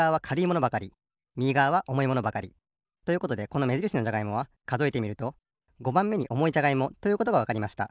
ものばかりみぎがわはおもいものばかり。ということでこのめじるしのじゃがいもはかぞえてみると５ばんめにおもいじゃがいもということがわかりました。